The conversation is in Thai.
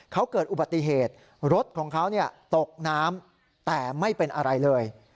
เขาเกิดอุบัติเหตุรถของเขาตกน้ำแต่ไม่เป็นอะไรเลย